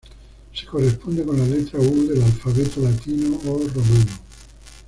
Se corresponde con la letra U del alfabeto latino o romano.